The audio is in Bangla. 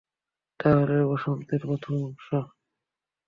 তাহলে বসন্তের প্রথম অংশ।